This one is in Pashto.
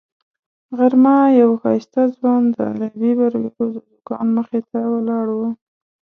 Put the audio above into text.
غرمه یو ښایسته ځوان د عربي برګرو د دوکان مخې ته ولاړ و.